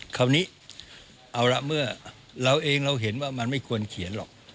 คราวนี้เอาละเมื่อเราเองเราเห็นว่ามันไม่ควรเขียนหรอก